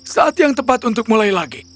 saat yang tepat untuk mulai lagi